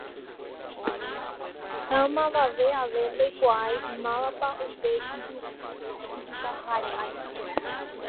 ha mavave ave ndoikuaái mávapa upe ijukahare.